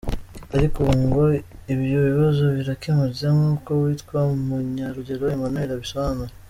Ariko ubu ngo ibyo bibazo birakemutse; nkuko uwitwa Munyarugero Emmanuel abisobanura.